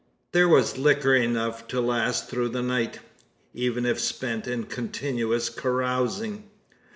There was liquor enough to last through the night even if spent in continuous carousing.